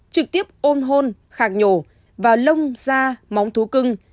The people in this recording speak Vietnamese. trực tiếp ôn hôn khạc nhổ và lông da móng thú cưng